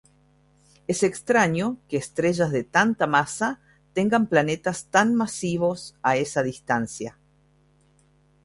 Es extraño que estrellas de baja masa tenga planetas tan masivos a esa distancia.